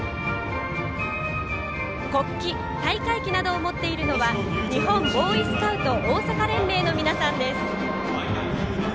国旗、大会旗などを持っているのは日本ボーイスカウト大阪連盟の皆さんです。